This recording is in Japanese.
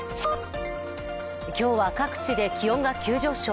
今日は各地で気温が急上昇。